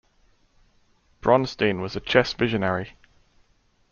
Bronstein was a chess visionary.